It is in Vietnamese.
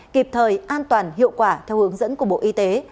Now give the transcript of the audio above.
kịp thời an toàn hiệu quả theo hướng dẫn của bộ y tế